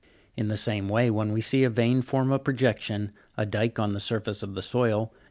In the same way, when we see a vein form a projection, a dyke on the sur face of the soil (Jig.